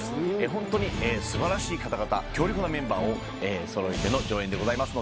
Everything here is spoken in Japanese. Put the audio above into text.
ホントに素晴らしい方々強力なメンバーをそろえての上演でございますので。